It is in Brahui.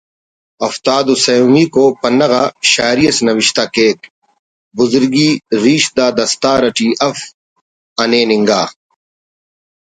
ہفتاد و سہ میکو پنہ غا شاعری اس نوشتہ کیک: بزرگی ریش دا دستار اٹی اف ہنین انگا